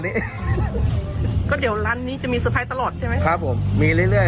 นี้ก็เดี๋ยวร้านนี้จะมีตลอดใช่ไหมครับผมมีเรื่อย